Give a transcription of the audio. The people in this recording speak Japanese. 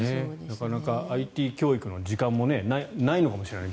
なかなかＩＴ教育の時間もないのかもしれない。